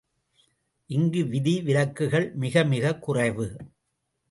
இங்கு விதி விலக்குகள் மிகமிகக் குறைவு.